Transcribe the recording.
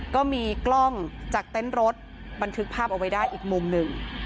ก็มีกล้องจากเต็นต์รถบันทึกภาพเอาไว้ได้อีกมุมหนึ่ง